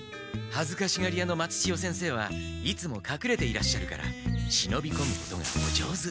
はずかしがり屋の松千代先生はいつもかくれていらっしゃるからしのびこむことがお上手。